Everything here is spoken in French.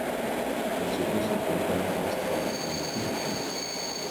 Elles se concentrent notamment en Australie et en Afrique du Sud.